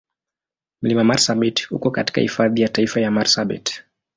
Mlima Marsabit uko katika Hifadhi ya Taifa ya Marsabit.